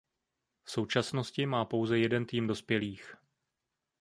V současnosti má pouze jeden tým dospělých.